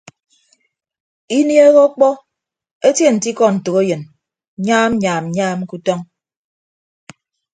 Inieehe ọkpọ etie nte ikọ ntәkeyịn nyaam nyaam nyaam ke utọñ.